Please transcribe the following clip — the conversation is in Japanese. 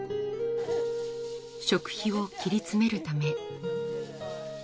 食費を切り詰めるため。